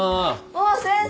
おっ先生。